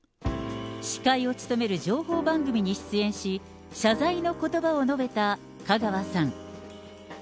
司会を務める情報番組に出演し、謝罪のことばを述べた香川さん。